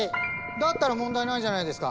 だったら問題ないじゃないですか。